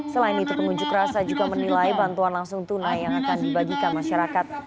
selain itu pengunjuk rasa juga menilai bantuan langsung tunai yang akan dibagikan masyarakat